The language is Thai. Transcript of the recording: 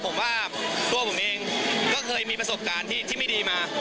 ผมว่าตัวผมเองก็เคยมีประสบการณ์ที่ไม่ดีมา